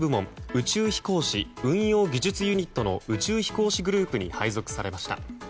宇宙飛行士運用技術ユニットの宇宙飛行士グループに配属されました。